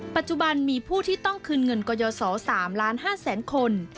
ปัจจุบันมีผู้ที่ต้องคืนเงินกรยส๓๕๐๐๐๐๐คน